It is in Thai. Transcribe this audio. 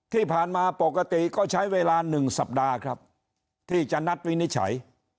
ที่ผ่านมาปกติก็ใช้เวลา๑สัปดาห์ครับที่จะนัดวินิจฉัย